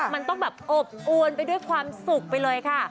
มันต้องแบบอบอวนไปด้วยความสุขไปเลยค่ะ